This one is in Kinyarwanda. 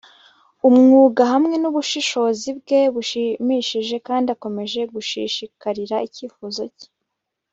umwuga, hamwe nubushishozi bwe bushimishije kandi akomeje gushishikarira icyifuzo cye